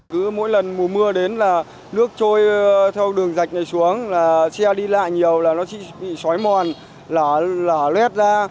theo đường dạch này xuống xe đi lại nhiều là nó bị xói mòn lỏ lét ra